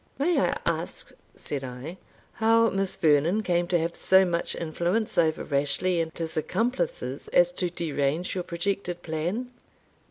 "May I ask," said I, "how Miss Vernon came to have so much influence over Rashleigh and his accomplices as to derange your projected plan?"